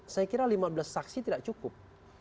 saya kira lima belas saksi tidak cukup